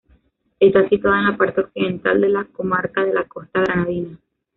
Está situada en la parte occidental de la comarca de la Costa Granadina.